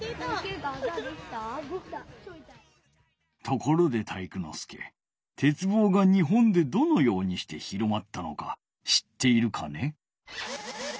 ところで体育ノ介鉄棒が日本でどのようにして広まったのか知っているかね？